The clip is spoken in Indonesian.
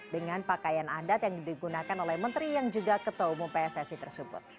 dengan pakaian adat yang digunakan oleh menteri yang juga ketua umum pssi tersebut